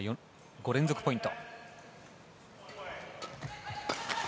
６連続ポイント！